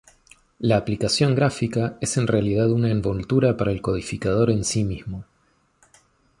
La aplicación gráfica es en realidad una envoltura para el codificador en sí mismo.